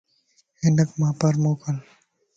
ھنک مان پار موڪل